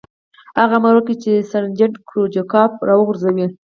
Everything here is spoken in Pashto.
هغه امر وکړ چې سرجنټ کروچکوف را وغواړئ